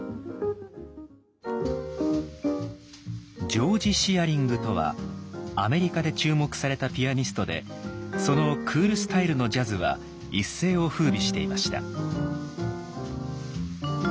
ジョージ・シアリングとはアメリカで注目されたピアニストでそのクール・スタイルのジャズは一世をふうびしていました。